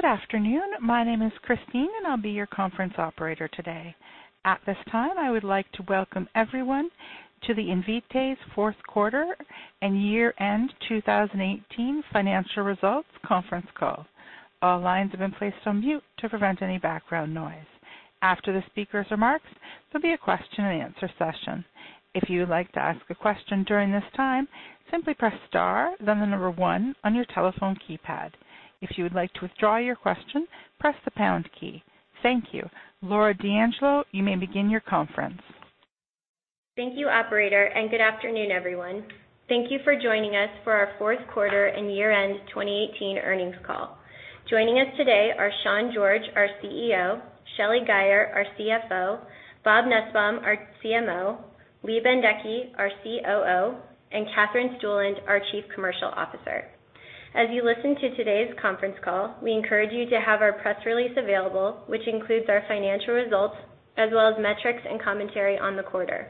Good afternoon. My name is Christine, and I'll be your conference operator today. At this time, I would like to welcome everyone to the Invitae's fourth quarter and year-end 2018 financial results conference call. All lines have been placed on mute to prevent any background noise. After the speaker's remarks, there'll be a question and answer session. If you would like to ask a question during this time, simply press star then number 1 on your telephone keypad. If you would like to withdraw your question, press the pound key. Thank you. Laura D'Angelo, you may begin your conference. Thank you, operator. Good afternoon, everyone. Thank you for joining us for our fourth quarter and year-end 2018 earnings call. Joining us today are Sean George, our CEO, Shelly Guyer, our CFO, Bob Nussbaum, our CMO, Lee Bendekgey, our COO, and Katherine Stueland, our chief commercial officer. As you listen to today's conference call, we encourage you to have our press release available, which includes our financial results as well as metrics and commentary on the quarter.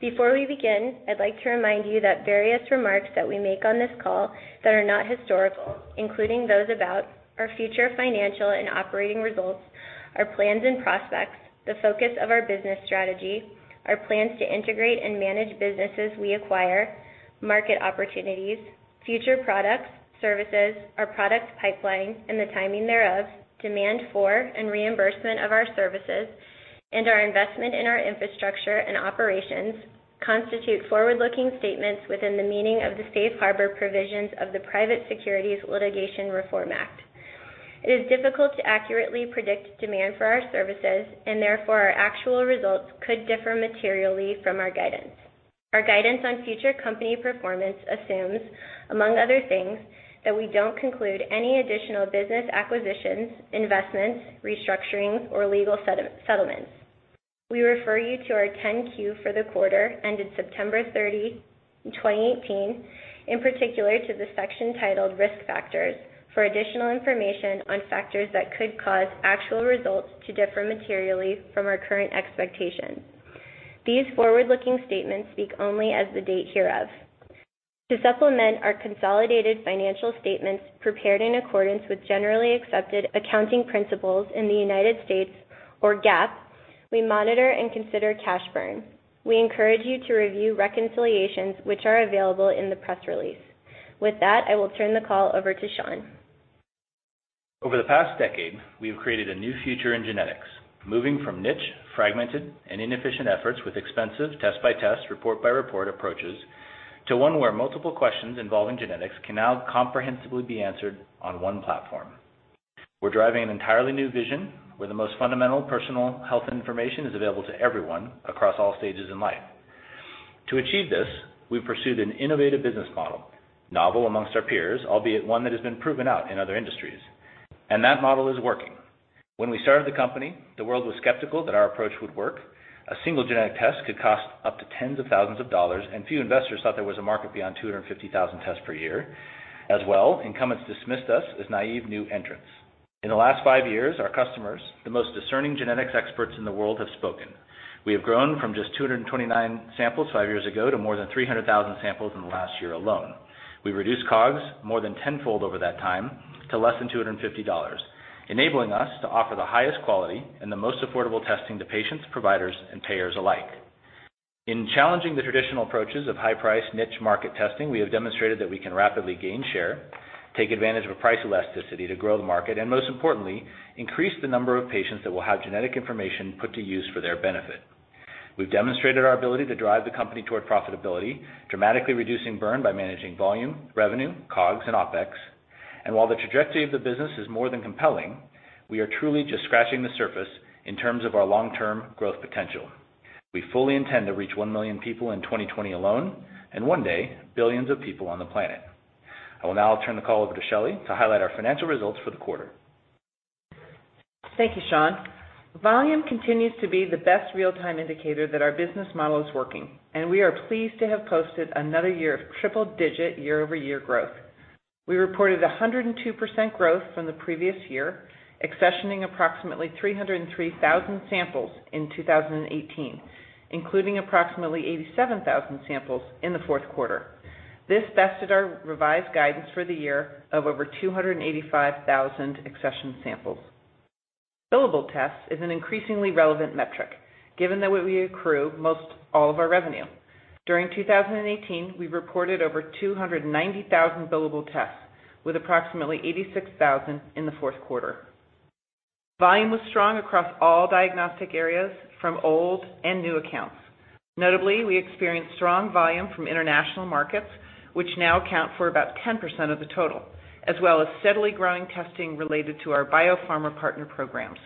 Before we begin, I'd like to remind you that various remarks that we make on this call that are not historical, including those about our future financial and operating results, our plans and prospects, the focus of our business strategy, our plans to integrate and manage businesses we acquire, market opportunities, future products, services, our product pipeline, and the timing thereof, demand for and reimbursement of our services, and our investment in our infrastructure and operations, constitute forward-looking statements within the meaning of the Safe Harbor provisions of the Private Securities Litigation Reform Act of 1995. It is difficult to accurately predict demand for our services. Therefore, our actual results could differ materially from our guidance. Our guidance on future company performance assumes, among other things, that we don't conclude any additional business acquisitions, investments, restructurings, or legal settlements. We refer you to our 10-Q for the quarter ended September 30, 2018, in particular to the section titled Risk Factors for additional information on factors that could cause actual results to differ materially from our current expectations. These forward-looking statements speak only as the date hereof. To supplement our consolidated financial statements prepared in accordance with generally accepted accounting principles in the U.S. or GAAP, we monitor and consider cash burn. We encourage you to review reconciliations which are available in the press release. With that, I will turn the call over to Sean. Over the past decade, we have created a new future in genetics, moving from niche, fragmented, and inefficient efforts with expensive test-by-test, report-by-report approaches to one where multiple questions involving genetics can now comprehensively be answered on one platform. We're driving an entirely new vision where the most fundamental personal health information is available to everyone across all stages in life. To achieve this, we've pursued an innovative business model, novel amongst our peers, albeit one that has been proven out in other industries. That model is working. When we started the company, the world was skeptical that our approach would work. A single genetic test could cost up to tens of thousands of dollars, and few investors thought there was a market beyond 250,000 tests per year. As well, incumbents dismissed us as naive new entrants. In the last five years, our customers, the most discerning genetics experts in the world, have spoken. We have grown from just 229 samples five years ago to more than 300,000 samples in the last year alone. We've reduced COGS more than tenfold over that time to less than $250, enabling us to offer the highest quality and the most affordable testing to patients, providers, and payers alike. In challenging the traditional approaches of high-price niche market testing, we have demonstrated that we can rapidly gain share, take advantage of a price elasticity to grow the market, and most importantly, increase the number of patients that will have genetic information put to use for their benefit. We've demonstrated our ability to drive the company toward profitability, dramatically reducing burn by managing volume, revenue, COGS, and OPEX. While the trajectory of the business is more than compelling, we are truly just scratching the surface in terms of our long-term growth potential. We fully intend to reach 1 million people in 2020 alone, and one day, billions of people on the planet. I will now turn the call over to Shelly to highlight our financial results for the quarter. Thank you, Sean. Volume continues to be the best real-time indicator that our business model is working. We are pleased to have posted another year of triple-digit year-over-year growth. We reported 102% growth from the previous year, accessioning approximately 303,000 samples in 2018, including approximately 87,000 samples in the fourth quarter. This bested our revised guidance for the year of over 285,000 accession samples. Billable tests is an increasingly relevant metric given that we accrue most all of our revenue. During 2018, we reported over 290,000 billable tests, with approximately 86,000 in the fourth quarter. Volume was strong across all diagnostic areas from old and new accounts. Notably, we experienced strong volume from international markets, which now account for about 10% of the total, as well as steadily growing testing related to our biopharma partner programs.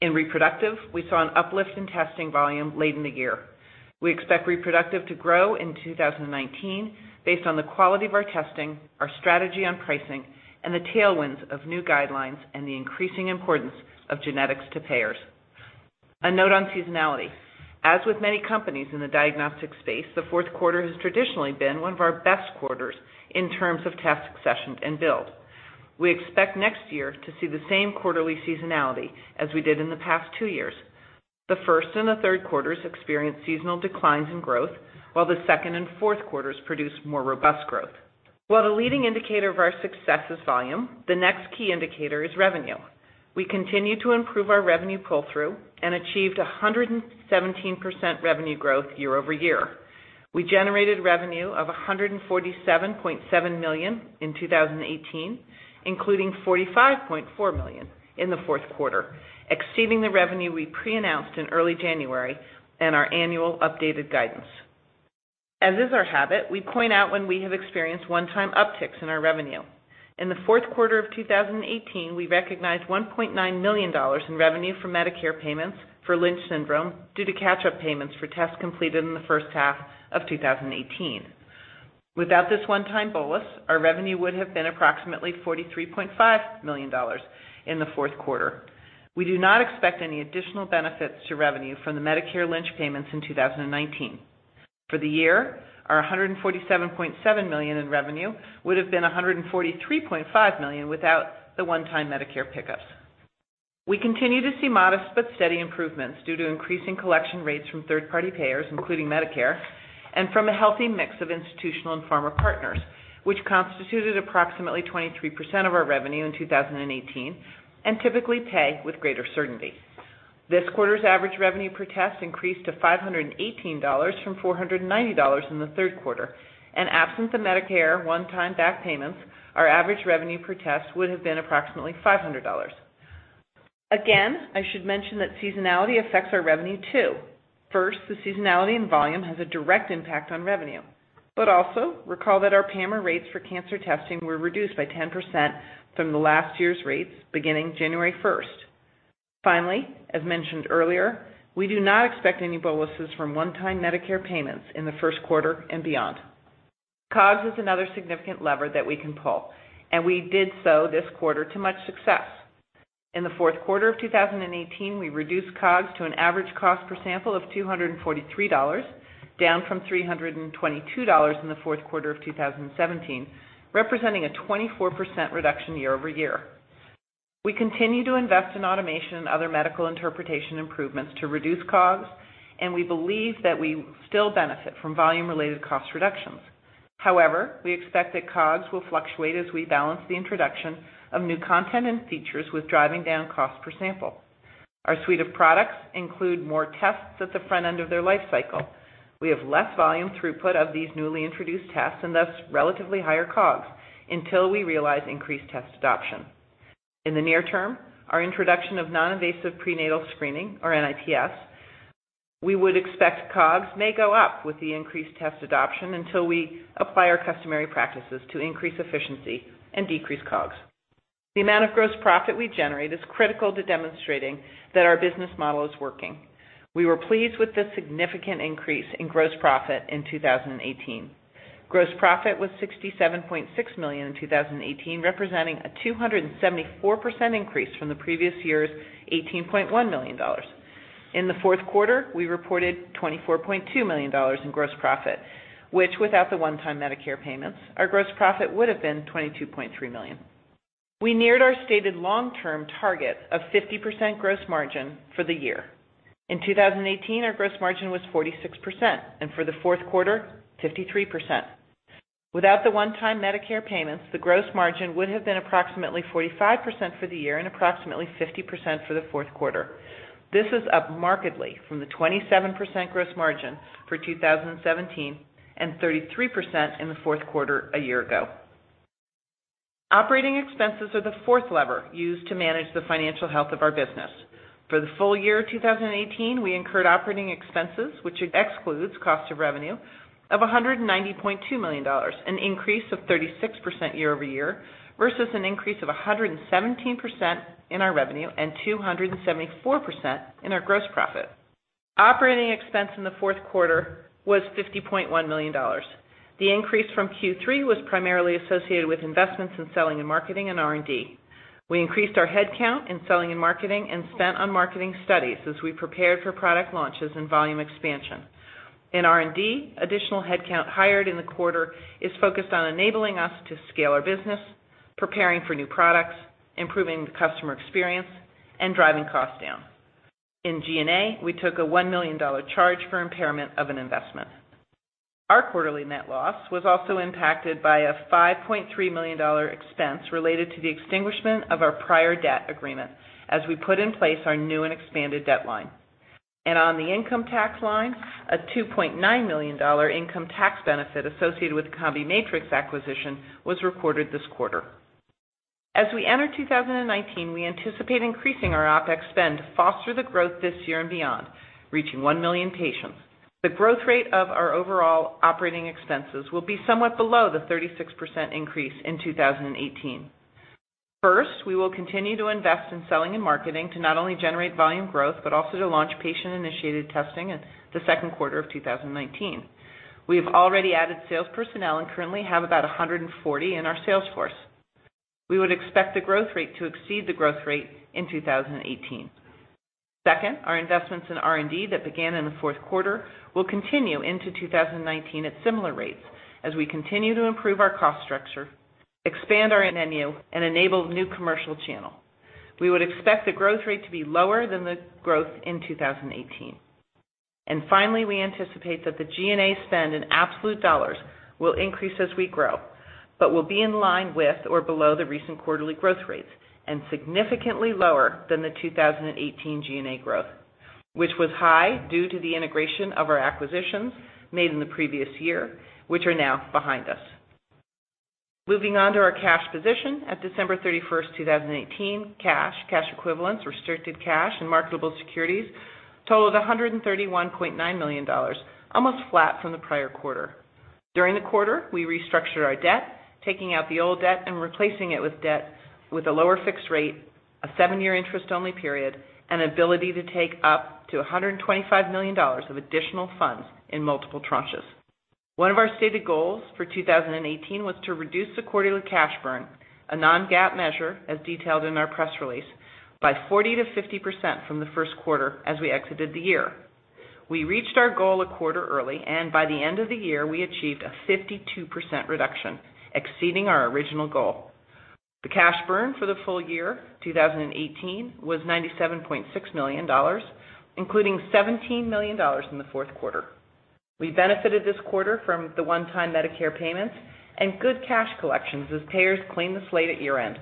In reproductive, we saw an uplift in testing volume late in the year. We expect reproductive to grow in 2019 based on the quality of our testing, our strategy on pricing, and the tailwinds of new guidelines and the increasing importance of genetics to payers. A note on seasonality. As with many companies in the diagnostic space, the fourth quarter has traditionally been one of our best quarters in terms of test accessions and bills. We expect next year to see the same quarterly seasonality as we did in the past two years. The first and the third quarters experienced seasonal declines in growth, while the second and fourth quarters produced more robust growth. While the leading indicator of our success is volume, the next key indicator is revenue. We continue to improve our revenue pull-through and achieved 117% revenue growth year-over-year. We generated revenue of $147.7 million in 2018, including $45.4 million in the fourth quarter, exceeding the revenue we pre-announced in early January and our annual updated guidance. As is our habit, we point out when we have experienced one-time upticks in our revenue. In the fourth quarter of 2018, we recognized $1.9 million in revenue from Medicare payments for Lynch syndrome due to catch-up payments for tests completed in the first half of 2018. Without this one-time bolus, our revenue would have been approximately $43.5 million in the fourth quarter. We do not expect any additional benefits to revenue from the Medicare Lynch payments in 2019. For the year, our $147.7 million in revenue would have been $143.5 million without the one-time Medicare pickups. We continue to see modest but steady improvements due to increasing collection rates from third-party payers, including Medicare, and from a healthy mix of institutional and pharma partners, which constituted approximately 23% of our revenue in 2018 and typically pay with greater certainty. This quarter's average revenue per test increased to $518 from $490 in the third quarter. In absence of Medicare one-time back payments, our average revenue per test would have been approximately $500. Again, I should mention that seasonality affects our revenue too. First, the seasonality and volume has a direct impact on revenue, also recall that our payment rates for cancer testing were reduced by 10% from the last year's rates beginning January 1st. Finally, as mentioned earlier, we do not expect any boluses from one-time Medicare payments in the first quarter and beyond. COGS is another significant lever that we can pull, and we did so this quarter to much success. In the fourth quarter of 2018, we reduced COGS to an average cost per sample of $243, down from $322 in the fourth quarter of 2017, representing a 24% reduction year-over-year. We continue to invest in automation and other medical interpretation improvements to reduce COGS, and we believe that we still benefit from volume-related cost reductions. However, we expect that COGS will fluctuate as we balance the introduction of new content and features with driving down cost per sample. Our suite of products include more tests at the front end of their life cycle. We have less volume throughput of these newly introduced tests, thus, relatively higher COGS until we realize increased test adoption. In the near term, our introduction of non-invasive prenatal screening, or NIPS, we would expect COGS may go up with the increased test adoption until we apply our customary practices to increase efficiency and decrease COGS. The amount of gross profit we generate is critical to demonstrating that our business model is working. We were pleased with the significant increase in gross profit in 2018. Gross profit was $67.6 million in 2018, representing a 274% increase from the previous year's $18.1 million. In the fourth quarter, we reported $24.2 million in gross profit, which without the one-time Medicare payments, our gross profit would have been $22.3 million. We neared our stated long-term target of 50% gross margin for the year. In 2018, our gross margin was 46%, and for the fourth quarter, 53%. Without the one-time Medicare payments, the gross margin would have been approximately 45% for the year and approximately 50% for the fourth quarter. This is up markedly from the 27% gross margin for 2017 and 33% in the fourth quarter a year ago. Operating expenses are the fourth lever used to manage the financial health of our business. For the full year of 2018, we incurred operating expenses, which excludes cost of revenue, of $190.2 million, an increase of 36% year-over-year, versus an increase of 117% in our revenue and 274% in our gross profit. Operating expense in the fourth quarter was $50.1 million. The increase from Q3 was primarily associated with investments in selling and marketing and R&D. We increased our headcount in selling and marketing and spent on marketing studies as we prepared for product launches and volume expansion. In R&D, additional headcount hired in the quarter is focused on enabling us to scale our business, preparing for new products, improving the customer experience, and driving costs down. In G&A, we took a $1 million charge for impairment of an investment. Our quarterly net loss was also impacted by a $5.3 million expense related to the extinguishment of our prior debt agreement, as we put in place our new and expanded debt line. On the income tax line, a $2.9 million income tax benefit associated with CombiMatrix acquisition was recorded this quarter. As we enter 2019, we anticipate increasing our OPEX spend to foster the growth this year and beyond, reaching 1 million patients. The growth rate of our overall operating expenses will be somewhat below the 36% increase in 2018. First, we will continue to invest in selling and marketing to not only generate volume growth, but also to launch patient-initiated testing in the second quarter of 2019. We have already added sales personnel and currently have about 140 in our sales force. We would expect the growth rate to exceed the growth rate in 2018. Second, our investments in R&D that began in the fourth quarter will continue into 2019 at similar rates as we continue to improve our cost structure, expand our and enable new commercial channel. We would expect the growth rate to be lower than the growth in 2018. Finally, we anticipate that the G&A spend in absolute dollars will increase as we grow, but will be in line with or below the recent quarterly growth rates, and significantly lower than the 2018 G&A growth, which was high due to the integration of our acquisitions made in the previous year, which are now behind us. Moving on to our cash position. At December 31, 2018, cash equivalents, restricted cash, and marketable securities totaled $131.9 million, almost flat from the prior quarter. During the quarter, we restructured our debt, taking out the old debt and replacing it with debt with a lower fixed rate, a seven-year interest-only period, and ability to take up to $125 million of additional funds in multiple tranches. One of our stated goals for 2018 was to reduce the quarterly cash burn, a non-GAAP measure, as detailed in our press release, by 40%-50% from the first quarter as we exited the year. We reached our goal a quarter early, and by the end of the year, we achieved a 52% reduction, exceeding our original goal. The cash burn for the full year 2018 was $97.6 million, including $17 million in the fourth quarter. We benefited this quarter from the one-time Medicare payments and good cash collections as payers cleaned the slate at year-end.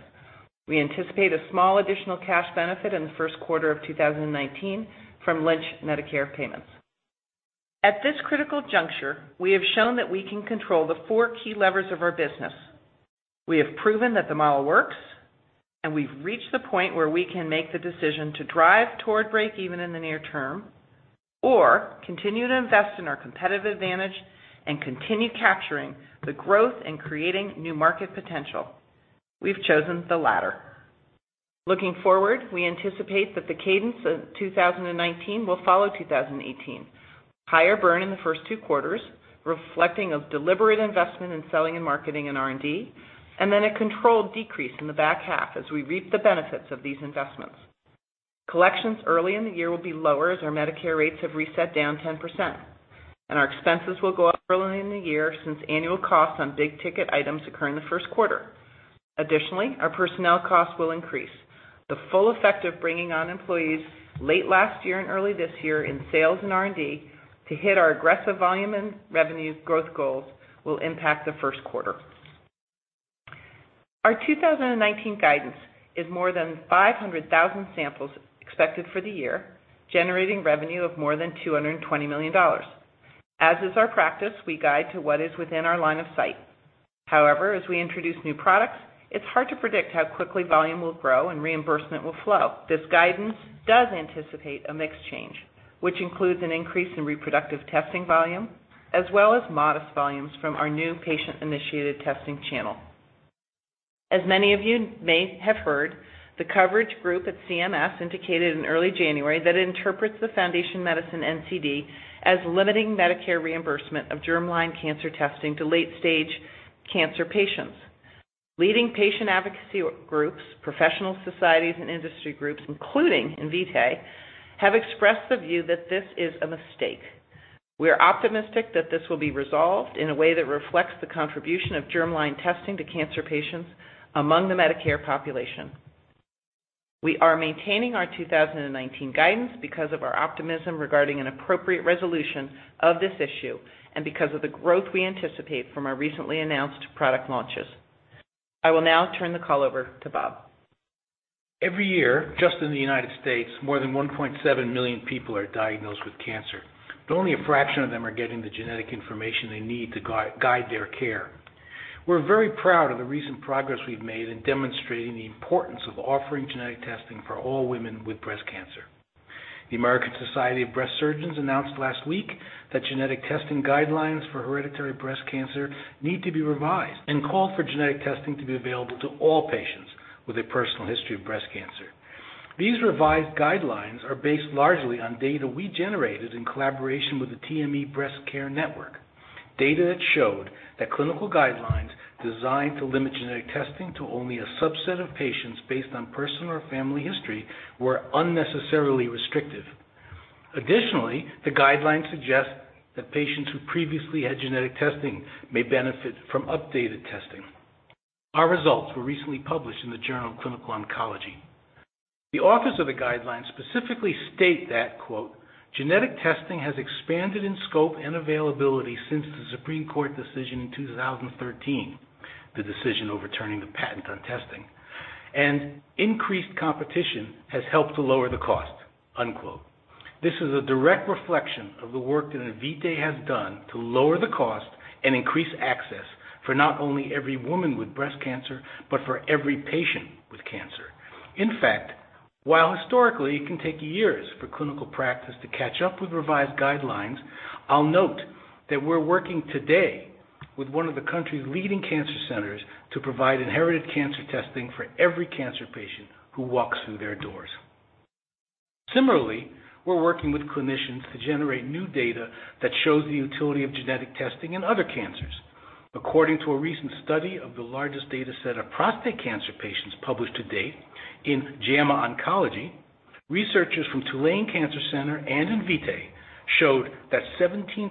We anticipate a small additional cash benefit in the first quarter of 2019 from Lynch Medicare payments. At this critical juncture, we have shown that we can control the four key levers of our business. We have proven that the model works, and we've reached the point where we can make the decision to drive toward break even in the near term or continue to invest in our competitive advantage and continue capturing the growth and creating new market potential. We've chosen the latter. Looking forward, we anticipate that the cadence of 2019 will follow 2018. Higher burn in the first two quarters, reflecting a deliberate investment in selling and marketing and R&D, and then a controlled decrease in the back half as we reap the benefits of these investments. Collections early in the year will be lower as our Medicare rates have reset down 10%, and our expenses will go up early in the year since annual costs on big-ticket items occur in the first quarter. Additionally, our personnel costs will increase. The full effect of bringing on employees late last year and early this year in sales and R&D to hit our aggressive volume and revenue growth goals will impact the first quarter. Our 2019 guidance is more than 500,000 samples expected for the year, generating revenue of more than $220 million. As is our practice, we guide to what is within our line of sight. However, as we introduce new products, it's hard to predict how quickly volume will grow and reimbursement will flow. This guidance does anticipate a mix change, which includes an increase in reproductive testing volume, as well as modest volumes from our new patient-initiated testing channel. As many of you may have heard, the coverage group at CMS indicated in early January that it interprets the Foundation Medicine NCD as limiting Medicare reimbursement of germline cancer testing to late-stage cancer patients. Leading patient advocacy groups, professional societies, and industry groups, including Invitae, have expressed the view that this is a mistake. We are optimistic that this will be resolved in a way that reflects the contribution of germline testing to cancer patients among the Medicare population. We are maintaining our 2019 guidance because of our optimism regarding an appropriate resolution of this issue and because of the growth we anticipate from our recently announced product launches. I will now turn the call over to Bob. Every year, just in the U.S., more than 1.7 million people are diagnosed with cancer, only a fraction of them are getting the genetic information they need to guide their care. We're very proud of the recent progress we've made in demonstrating the importance of offering genetic testing for all women with breast cancer. The American Society of Breast Surgeons announced last week that genetic testing guidelines for hereditary breast cancer need to be revised and called for genetic testing to be available to all patients with a personal history of breast cancer. These revised guidelines are based largely on data we generated in collaboration with the TME Breast Care Network. Data that showed that clinical guidelines designed to limit genetic testing to only a subset of patients based on personal or family history were unnecessarily restrictive. Additionally, the guidelines suggest that patients who previously had genetic testing may benefit from updated testing. Our results were recently published in the Journal of Clinical Oncology. The authors of the guidelines specifically state that, quote, "Genetic testing has expanded in scope and availability since the Supreme Court decision in 2013," the decision overturning the patent on testing, "and increased competition has helped to lower the cost." Unquote. This is a direct reflection of the work that Invitae has done to lower the cost and increase access for not only every woman with breast cancer, but for every patient with cancer. In fact, while historically it can take years for clinical practice to catch up with revised guidelines, I'll note that we're working today with one of the country's leading cancer centers to provide inherited cancer testing for every cancer patient who walks through their doors. Similarly, we're working with clinicians to generate new data that shows the utility of genetic testing in other cancers. According to a recent study of the largest data set of prostate cancer patients published to date in JAMA Oncology, researchers from Tulane Cancer Center and Invitae showed that 17%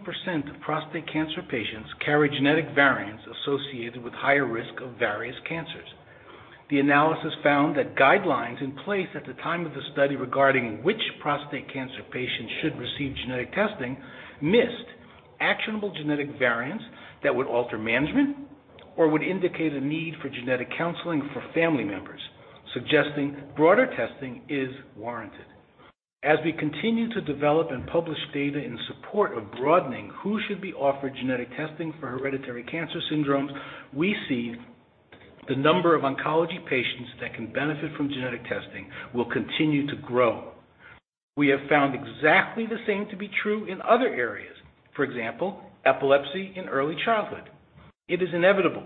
of prostate cancer patients carry genetic variants associated with higher risk of various cancers. The analysis found that guidelines in place at the time of the study, regarding which prostate cancer patients should receive genetic testing, missed actionable genetic variants that would alter management or would indicate a need for genetic counseling for family members, suggesting broader testing is warranted. As we continue to develop and publish data in support of broadening who should be offered genetic testing for hereditary cancer syndromes, we see the number of oncology patients that can benefit from genetic testing will continue to grow. We have found exactly the same to be true in other areas. For example, epilepsy in early childhood. It is inevitable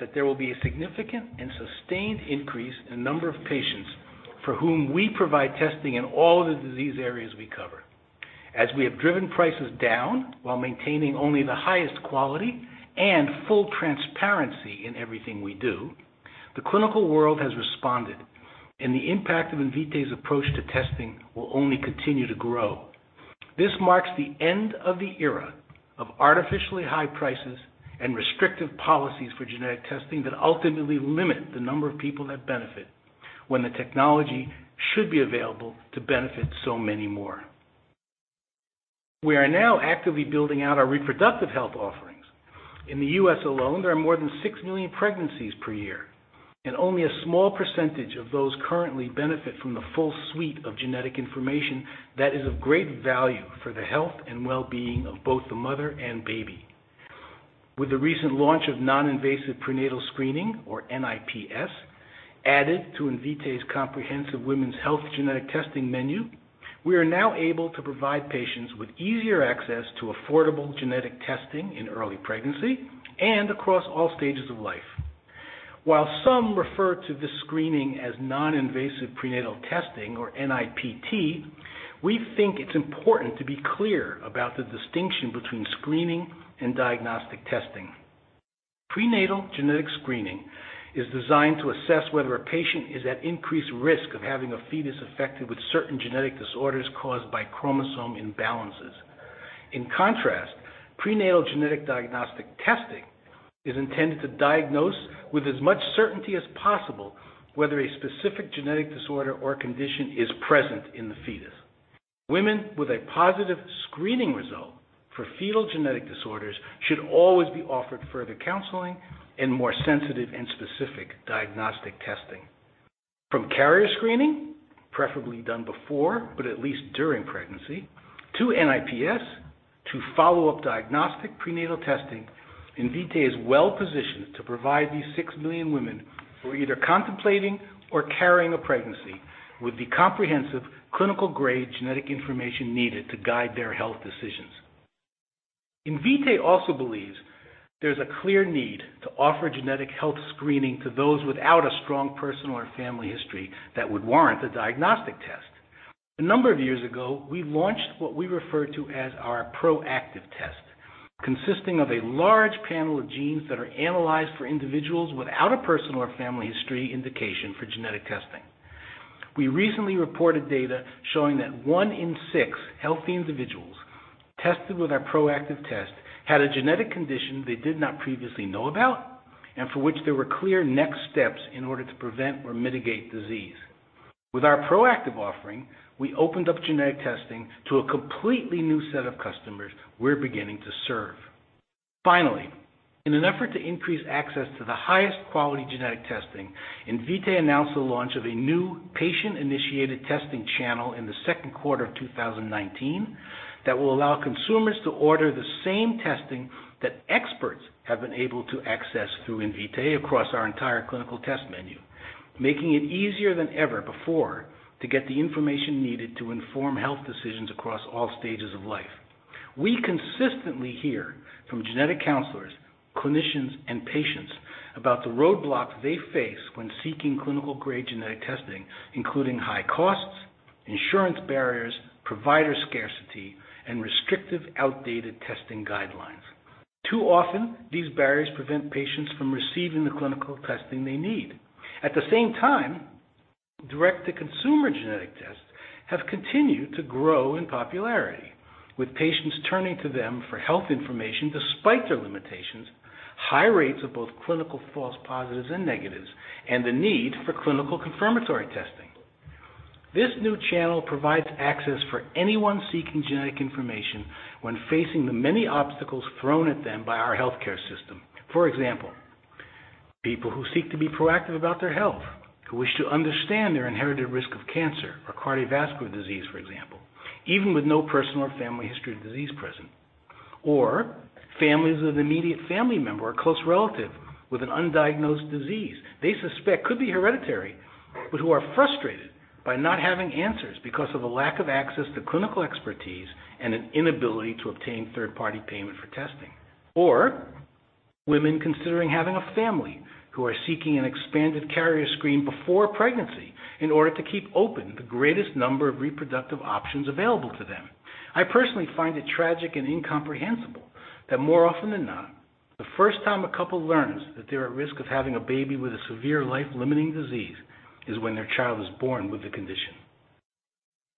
that there will be a significant and sustained increase in number of patients for whom we provide testing in all of the disease areas we cover. As we have driven prices down while maintaining only the highest quality and full transparency in everything we do, the clinical world has responded, and the impact of Invitae's approach to testing will only continue to grow. This marks the end of the era of artificially high prices and restrictive policies for genetic testing that ultimately limit the number of people that benefit, when the technology should be available to benefit so many more. We are now actively building out our reproductive health offerings. In the U.S. alone, there are more than 6 million pregnancies per year, only a small percentage of those currently benefit from the full suite of genetic information that is of great value for the health and well-being of both the mother and baby. With the recent launch of non-invasive prenatal screening, or NIPS, added to Invitae's comprehensive women's health genetic testing menu, we are now able to provide patients with easier access to affordable genetic testing in early pregnancy and across all stages of life. While some refer to this screening as non-invasive prenatal testing, or NIPT, we think it's important to be clear about the distinction between screening and diagnostic testing. Prenatal genetic screening is designed to assess whether a patient is at increased risk of having a fetus affected with certain genetic disorders caused by chromosome imbalances. In contrast, prenatal genetic diagnostic testing is intended to diagnose with as much certainty as possible, whether a specific genetic disorder or condition is present in the fetus. Women with a positive screening result for fetal genetic disorders should always be offered further counseling and more sensitive and specific diagnostic testing. From carrier screening, preferably done before, but at least during pregnancy, to NIPS, to follow-up diagnostic prenatal testing, Invitae is well positioned to provide these 6 million women who are either contemplating or carrying a pregnancy with the comprehensive, clinical-grade genetic information needed to guide their health decisions. Invitae also believes there's a clear need to offer genetic health screening to those without a strong personal or family history that would warrant a diagnostic test. A number of years ago, we launched what we refer to as our proactive test, consisting of a large panel of genes that are analyzed for individuals without a personal or family history indication for genetic testing. We recently reported data showing that 1 in 6 healthy individuals tested with our proactive test had a genetic condition they did not previously know about, and for which there were clear next steps in order to prevent or mitigate disease. With our proactive offering, we opened up genetic testing to a completely new set of customers we're beginning to serve. In an effort to increase access to the highest quality genetic testing, Invitae announced the launch of a new patient-initiated testing channel in the second quarter of 2019 that will allow consumers to order the same testing that experts have been able to access through Invitae across our entire clinical test menu, making it easier than ever before to get the information needed to inform health decisions across all stages of life. We consistently hear from genetic counselors, clinicians, and patients about the roadblocks they face when seeking clinical-grade genetic testing, including high costs, insurance barriers, provider scarcity, and restrictive, outdated testing guidelines. Too often, these barriers prevent patients from receiving the clinical testing they need. At the same time, direct-to-consumer genetic tests have continued to grow in popularity, with patients turning to them for health information despite their limitations, high rates of both clinical false positives and negatives, and the need for clinical confirmatory testing. This new channel provides access for anyone seeking genetic information when facing the many obstacles thrown at them by our healthcare system. For example, people who seek to be proactive about their health, who wish to understand their inherited risk of cancer or cardiovascular disease, for example, even with no personal or family history of disease present. Families with an immediate family member or close relative with an undiagnosed disease they suspect could be hereditary, but who are frustrated by not having answers because of a lack of access to clinical expertise and an inability to obtain third-party payment for testing. Women considering having a family who are seeking an expanded carrier screen before pregnancy in order to keep open the greatest number of reproductive options available to them. I personally find it tragic and incomprehensible that more often than not, the first time a couple learns that they're at risk of having a baby with a severe life-limiting disease is when their child is born with the condition.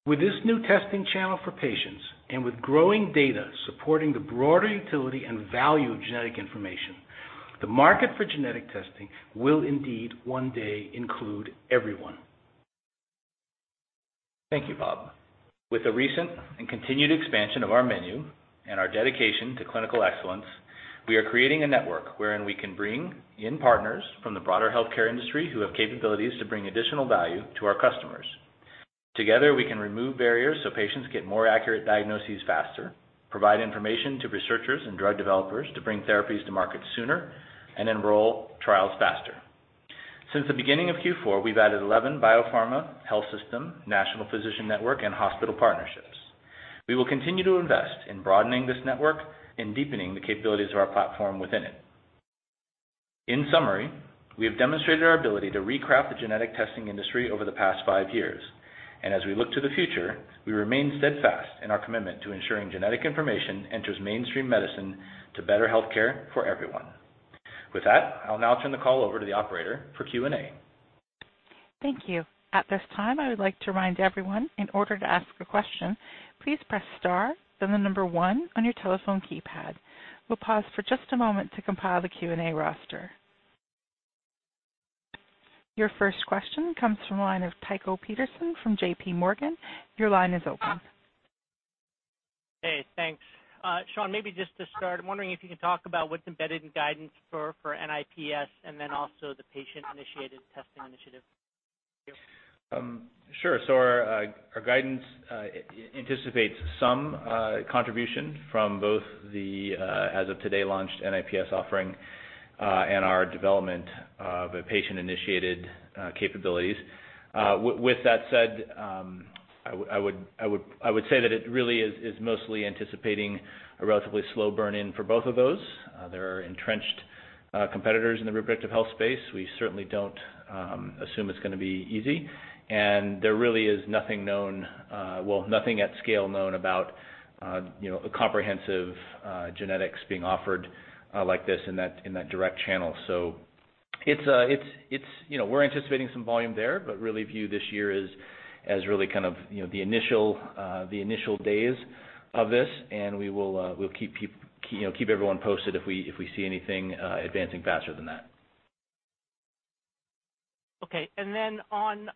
With this new testing channel for patients and with growing data supporting the broader utility and value of genetic information, the market for genetic testing will indeed one day include everyone. Thank you, Bob. With the recent and continued expansion of our menu and our dedication to clinical excellence, we are creating a network wherein we can bring in partners from the broader healthcare industry who have capabilities to bring additional value to our customers. Together, we can remove barriers so patients get more accurate diagnoses faster, provide information to researchers and drug developers to bring therapies to market sooner, and enroll trials faster. Since the beginning of Q4, we've added 11 biopharma, health system, national physician network, and hospital partnerships. We will continue to invest in broadening this network and deepening the capabilities of our platform within it. In summary, we have demonstrated our ability to recraft the genetic testing industry over the past five years, and as we look to the future, we remain steadfast in our commitment to ensuring genetic information enters mainstream medicine to better healthcare for everyone. With that, I'll now turn the call over to the operator for Q&A. Thank you. At this time, I would like to remind everyone, in order to ask a question, please press star, then the number 1 on your telephone keypad. We'll pause for just a moment to compile the Q&A roster. Your first question comes from the line of Tycho Peterson from J.P. Morgan. Your line is open. Hey, thanks. Sean, maybe just to start, I'm wondering if you can talk about what's embedded in guidance for NIPS and also the patient-initiated testing initiative. Thank you. Sure. Our guidance anticipates some contribution from both the, as of today, launched NIPS offering and our development of patient-initiated capabilities. With that said, I would say that it really is mostly anticipating a relatively slow burn-in for both of those. There are entrenched competitors in the reproductive health space. We certainly don't assume it's going to be easy, and there really is nothing at scale known about comprehensive genetics being offered like this in that direct channel. We're anticipating some volume there, but really view this year as the initial days of this, and we'll keep everyone posted if we see anything advancing faster than that. Okay. On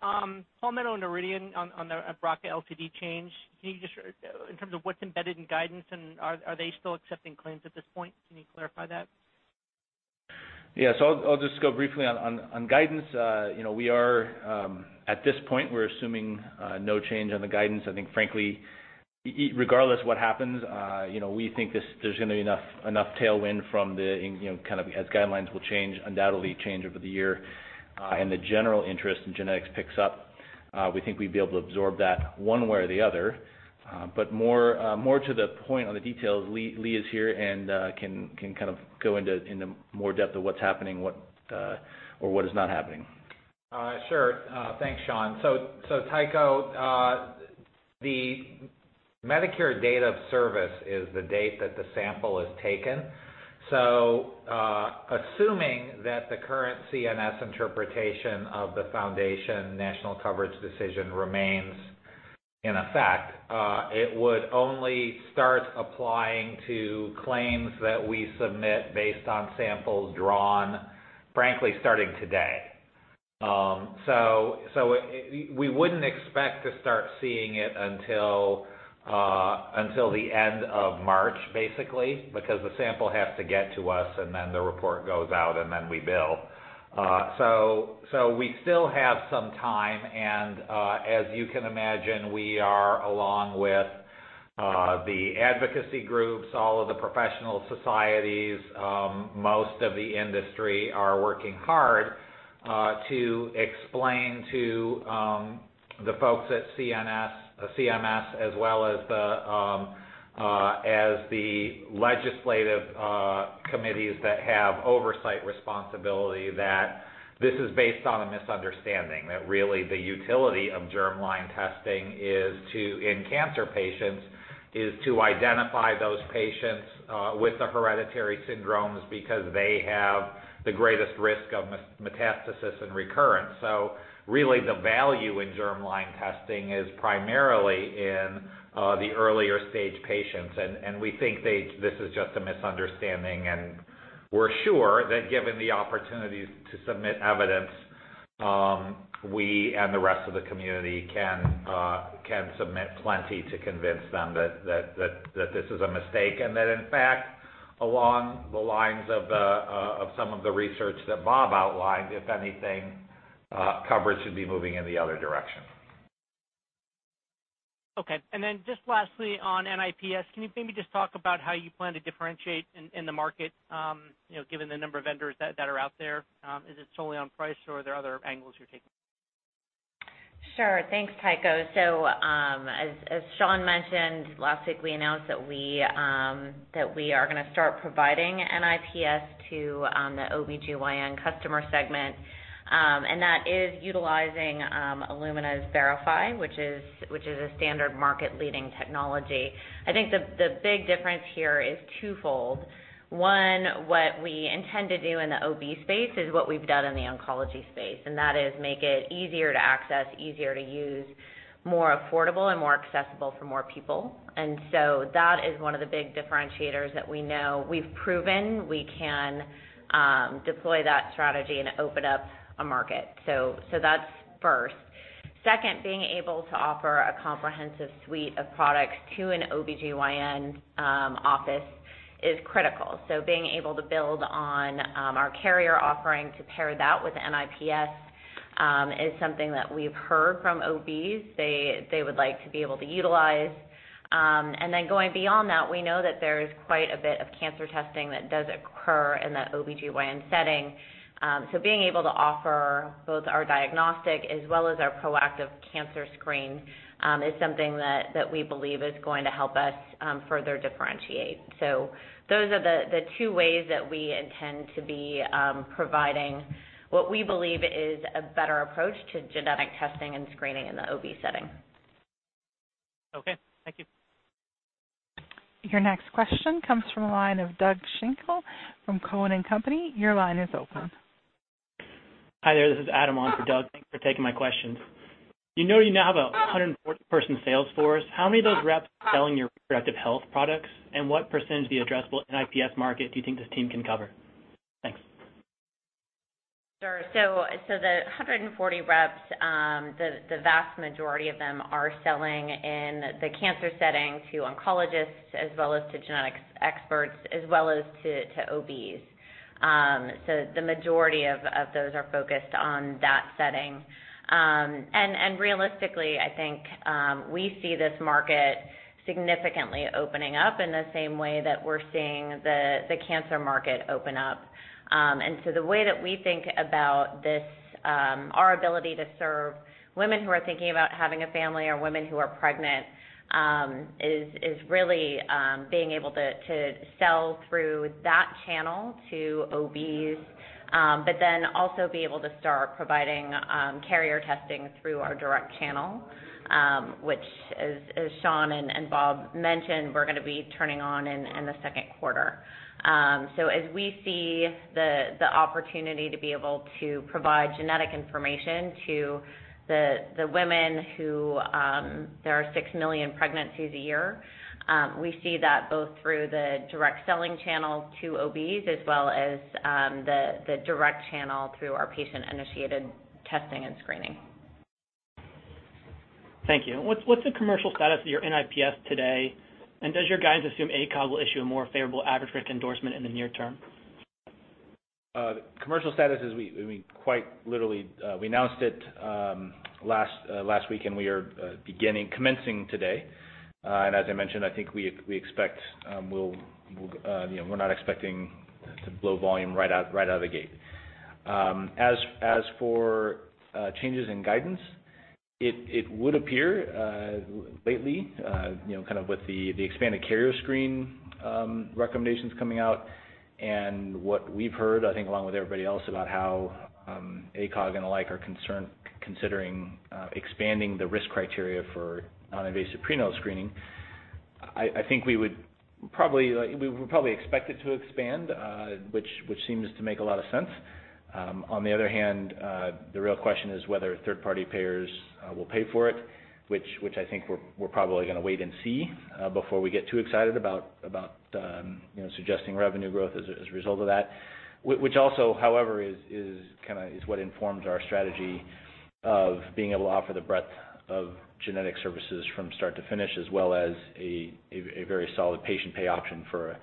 Palmetto and Noridian on the BRCA LCD change, can you just, in terms of what's embedded in guidance and are they still accepting claims at this point? Can you clarify that? Yeah. I'll just go briefly on guidance. At this point, we're assuming no change on the guidance. I think frankly, regardless what happens, we think there's going to be enough tailwind from the, as guidelines undoubtedly change over the year and the general interest in genetics picks up. We think we'd be able to absorb that one way or the other. More to the point on the details, Lee is here and can go into more depth of what's happening or what is not happening. Sure. Thanks, Sean. Tycho, the Medicare date of service is the date that the sample is taken. Assuming that the current CMS interpretation of the Foundation National Coverage Decision remains in effect, it would only start applying to claims that we submit based on samples drawn, frankly, starting today. We wouldn't expect to start seeing it until the end of March, basically, because the sample has to get to us and then the report goes out, and then we bill. We still have some time and, as you can imagine, we are, along with the advocacy groups, all of the professional societies, most of the industry are working hard to explain to the folks at CMS as well as the legislative committees that have oversight responsibility that this is based on a misunderstanding. That really the utility of germline testing in cancer patients is to identify those patients with the hereditary syndromes because they have the greatest risk of metastasis and recurrence. Really the value in germline testing is primarily in the earlier stage patients, and we think this is just a misunderstanding. We're sure that given the opportunity to submit evidence, we and the rest of the community can submit plenty to convince them that this is a mistake and that, in fact, along the lines of some of the research that Bob outlined, if anything, coverage should be moving in the other direction. Okay. Lastly on NIPS, can you maybe just talk about how you plan to differentiate in the market, given the number of vendors that are out there? Is it solely on price or are there other angles you're taking? Sure. Thanks, Tycho. As Sean mentioned, last week we announced that we are going to start providing NIPS to the OBGYN customer segment, and that is utilizing Illumina's verifi, which is a standard market-leading technology. I think the big difference here is twofold. One, what we intend to do in the OB space is what we've done in the oncology space, and that is make it easier to access, easier to use, more affordable, and more accessible for more people. That is one of the big differentiators that we know. We've proven we can deploy that strategy and open up a market. That's first. Second, being able to offer a comprehensive suite of products to an OBGYN office is critical. Being able to build on our carrier offering to pair that with NIPS is something that we've heard from OBs they would like to be able to utilize. Going beyond that, we know that there is quite a bit of cancer testing that does occur in that OBGYN setting. Being able to offer both our diagnostic as well as our proactive cancer screen is something that we believe is going to help us further differentiate. Those are the two ways that we intend to be providing what we believe is a better approach to genetic testing and screening in the OB setting. Okay. Thank you. Your next question comes from the line of Doug Schenkel from Cowen and Company. Your line is open. Hi there. This is Adam on for Doug. Thanks for taking my questions. You now have a 140-person sales force. How many of those reps are selling your reproductive health products, and what % of the addressable NIPS market do you think this team can cover? Thanks. Sure. The 140 reps, the vast majority of them are selling in the cancer setting to oncologists, as well as to genetics experts, as well as to OBs. The majority of those are focused on that setting. Realistically, I think we see this market significantly opening up in the same way that we're seeing the cancer market open up. The way that we think about our ability to serve women who are thinking about having a family or women who are pregnant, is really being able to sell through that channel to OBs. Also be able to start providing carrier testing through our direct channel, which as Sean and Bob mentioned, we're going to be turning on in the second quarter. As we see the opportunity to be able to provide genetic information to the women. There are six million pregnancies a year. We see that both through the direct selling channel to OBs as well as the direct channel through our patient-initiated testing and screening. Thank you. What's the commercial status of your NIPS today? Does your guidance assume ACOG will issue a more favorable advocacy endorsement in the near term? The commercial status is, we quite literally announced it last week, and we are commencing today. As I mentioned, I think we're not expecting to blow volume right out of the gate. As for changes in guidance, it would appear lately, kind of with the expanded carrier screen recommendations coming out and what we've heard, I think along with everybody else, about how ACOG and the like are considering expanding the risk criteria for non-invasive prenatal screening. I think we would probably expect it to expand, which seems to make a lot of sense. On the other hand, the real question is whether third-party payers will pay for it, which I think we're probably going to wait and see before we get too excited about suggesting revenue growth as a result of that. Which also, however, is what informs our strategy of being able to offer the breadth of genetic services from start to finish, as well as a very solid patient pay option for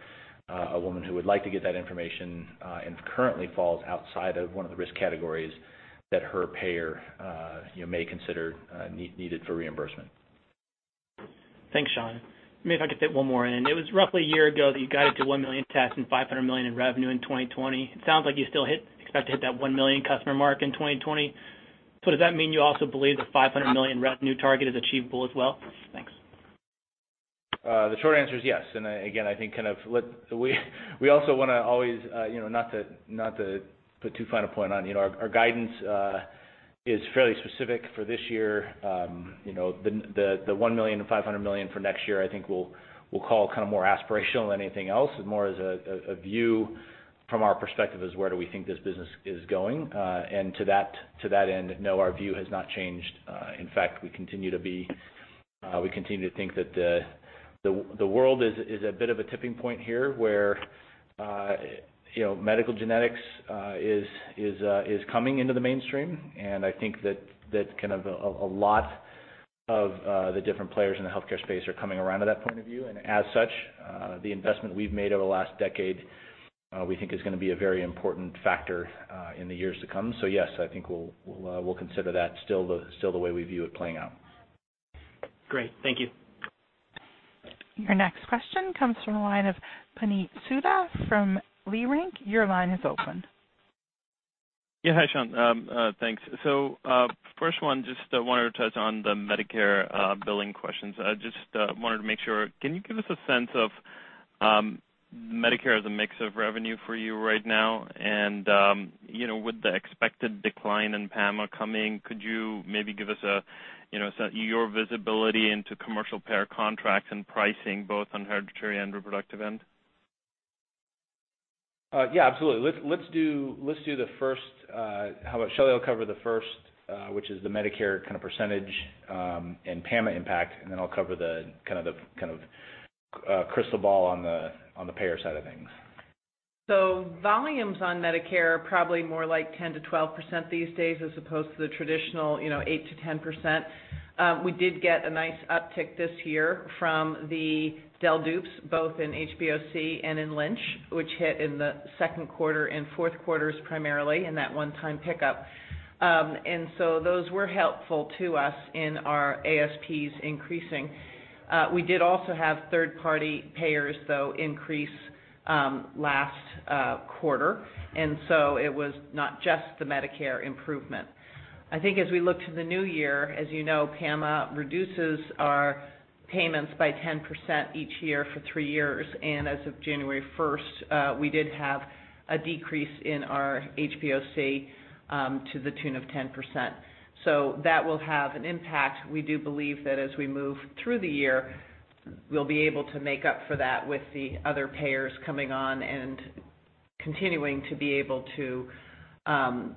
a woman who would like to get that information and currently falls outside of one of the risk categories that her payer may consider needed for reimbursement. Thanks, Sean. Maybe if I could fit one more in. It was roughly a year ago that you guided to 1 million tests and $500 million in revenue in 2020. It sounds like you still expect to hit that 1 million customer mark in 2020. Does that mean you also believe the $500 million revenue target is achievable as well? Thanks. The short answer is yes. Again, we also want to always, not to put too fine a point on, our guidance is fairly specific for this year. The $1 million and $500 million for next year, I think we'll call more aspirational than anything else, and more as a view from our perspective as where do we think this business is going. To that end, no, our view has not changed. In fact, we continue to think that the world is a bit of a tipping point here where medical genetics is coming into the mainstream. I think that a lot of the different players in the healthcare space are coming around to that point of view, and as such, the investment we've made over the last decade we think is going to be a very important factor in the years to come. Yes, I think we'll consider that still the way we view it playing out. Great. Thank you. Your next question comes from the line of Puneet Souda from Leerink. Your line is open. First one, just wanted to touch on the Medicare billing questions. I just wanted to make sure, can you give us a sense of Medicare as a mix of revenue for you right now? With the expected decline in PAMA coming, could you maybe give us your visibility into commercial payer contracts and pricing, both on hereditary and reproductive end? Yeah, absolutely. How about Shelly will cover the first, which is the Medicare percentage, PAMA impact, then I'll cover the kind of crystal ball on the payer side of things. Volumes on Medicare are probably more like 10%-12% these days, as opposed to the traditional 8%-10%. We did get a nice uptick this year from the del/dups, both in HBOC and in Lynch, which hit in the second quarter and fourth quarters primarily in that one-time pickup. Those were helpful to us in our ASPs increasing. We did also have third-party payers, though, increase last quarter, it was not just the Medicare improvement. I think as we look to the new year, as you know, PAMA reduces our payments by 10% each year for three years. As of January 1st, we did have a decrease in our HBOC, to the tune of 10%. That will have an impact. We do believe that as we move through the year, we'll be able to make up for that with the other payers coming on and continuing to be able to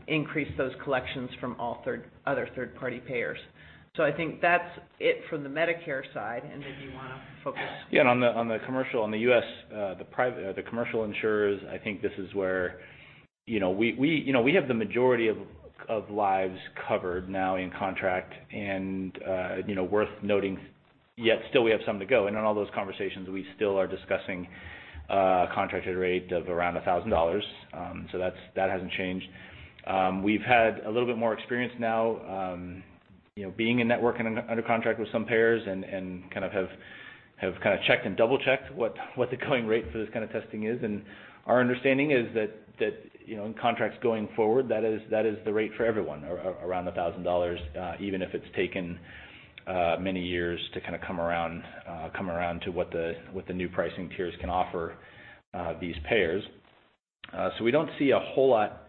increase those collections from all other third-party payers. I think that's it from the Medicare side. If you want to focus. On the commercial, on the U.S., the commercial insurers, I think this is where we have the majority of lives covered now in contract and worth noting, yet still we have some to go. On all those conversations, we still are discussing a contracted rate of around $1,000. That hasn't changed. We've had a little bit more experience now, being in network and under contract with some payers and have kind of checked and double-checked what the going rate for this kind of testing is. Our understanding is that in contracts going forward, that is the rate for everyone, around $1,000, even if it's taken many years to kind of come around to what the new pricing tiers can offer these payers. We don't see a whole lot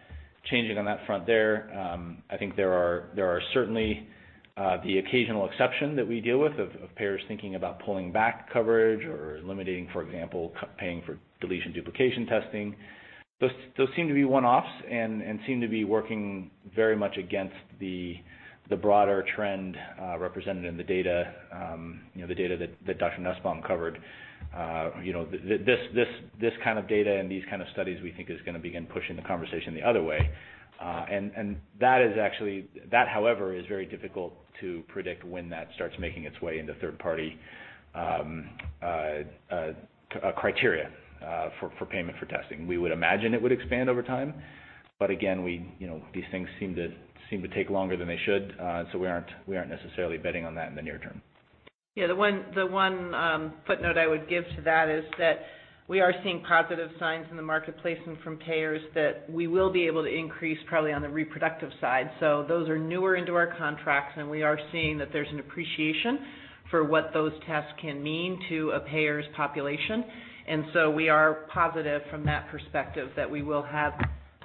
changing on that front there. I think there are certainly the occasional exception that we deal with of payers thinking about pulling back coverage or limiting, for example, paying for deletion duplication testing. Those seem to be one-offs and seem to be working very much against the broader trend represented in the data that Dr. Nussbaum covered. This kind of data and these kind of studies, we think is going to begin pushing the conversation the other way. That, however, is very difficult to predict when that starts making its way into third-party criteria for payment for testing. We would imagine it would expand over time, but again, these things seem to take longer than they should. We aren't necessarily betting on that in the near term. The one footnote I would give to that is that we are seeing positive signs in the marketplace and from payers that we will be able to increase probably on the reproductive side. Those are newer into our contracts, and we are seeing that there's an appreciation for what those tests can mean to a payer's population. We are positive from that perspective that we will have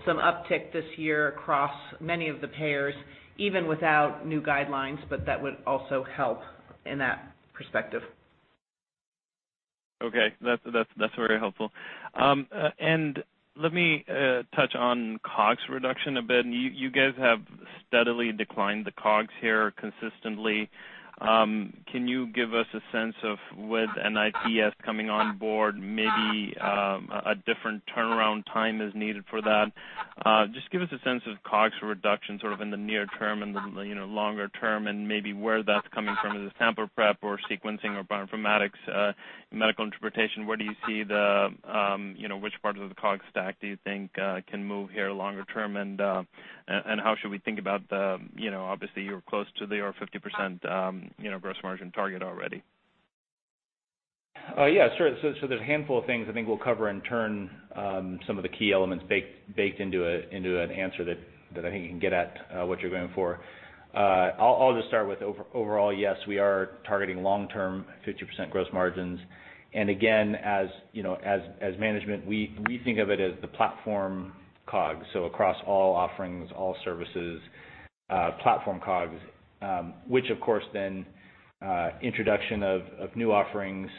some uptick this year across many of the payers, even without new guidelines, but that would also help in that perspective. Okay. That's very helpful. Let me touch on COGS reduction a bit. You guys have steadily declined the COGS here consistently. Can you give us a sense of with NIPS coming on board, maybe a different turnaround time is needed for that? Just give us a sense of COGS reduction sort of in the near term and the longer term and maybe where that's coming from. Is it sample prep or sequencing or bioinformatics, medical interpretation? Which part of the COGS stack do you think can move here longer term and how should we think about obviously you're close to the 50% gross margin target already. Yeah, sure. There's a handful of things I think we'll cover in turn, some of the key elements baked into an answer that I think can get at what you're going for. I'll just start with overall, yes, we are targeting long-term 50% gross margins. Again, as management, we think of it as the platform COGS. Across all offerings, all services, platform COGS, which of course then introduction of new offerings,